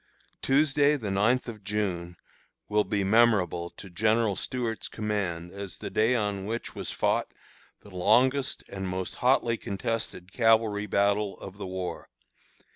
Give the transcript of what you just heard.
Tuesday, the ninth of June, will be memorable to General Stuart's command as the day on which was fought the longest and most hotly contested cavalry battle of the war.